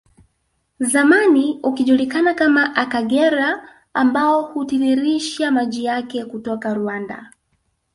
Zamani ukijulikana kama Akagera ambao hutiririsha maji yake kutoka Rwanda